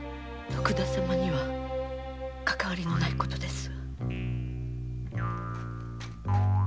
徳田様にはかかわりのない事です。